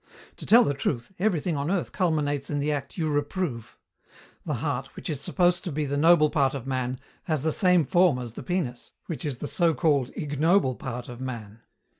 To tell the truth, everything on earth culminates in the act you reprove. The heart, which is supposed to be the noble part of man, has the same form as the penis, which is the so called ignoble part of man.